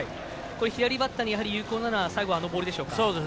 左バッターに有効なのは最後、あのボールでしょうか。